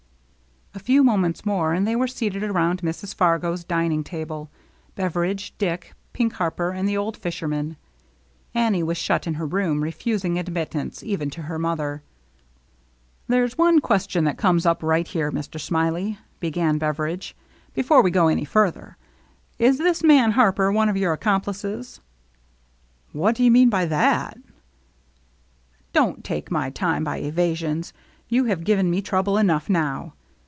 A few moments more, and they were seated around Mrs. Fargo's dining table, Beveridge, Dick, Pink Harper, and the old fisherman. Annie was shut in her room, refusing admit tance even to her mother. " There's one question that comes up right here, Mr. Smiley," began Beveridge, "before we go any farther. Is this man Harper one of your accomplices ?"" What do you mean by that ?"" Don't take my time by evasions. You have given me trouble enough now.